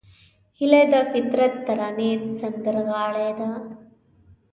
هیلۍ د فطرت ترانې سندرغاړې ده